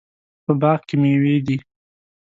په باغ کې میوې دي